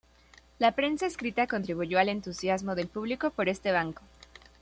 La prensa escrita contribuyó al entusiasmo del público por este banco.